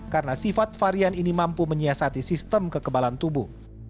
karena sifat varian ini mampu menyiasati sistem kekebalan tubuh